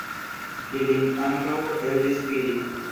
Ilin ambaŭ eblis fidi.